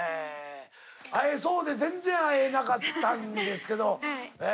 会えそうで全然会えなかったんですけどえ